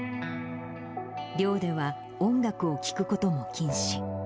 寮では音楽を聴くことも禁止。